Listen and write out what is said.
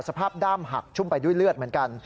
สภาพด้ามหักชุ่มไปด้วยเลือดเหมือนกัน